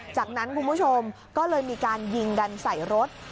จากนั้นคุณผู้ชมก็เลยมีการยิงกันใส่รถ